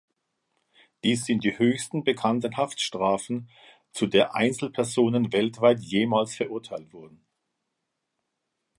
Dies sind die höchsten bekannten Haftstrafen, zu der Einzelpersonen weltweit jemals verurteilt wurden.